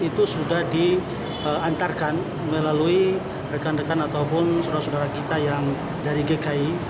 itu sudah diantarkan melalui rekan rekan ataupun saudara saudara kita yang dari gki